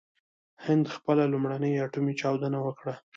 هند خپله لومړۍ اټومي چاودنه وکړه.